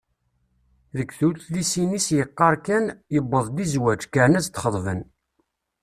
Deg tullisin-is yeqqar kan: “yewweḍ-d i zzwaj, kkren ad s-d-xeḍben”.